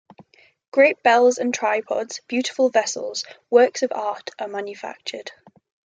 Great bells and tripods, beautiful vessels, works of art are manufactured.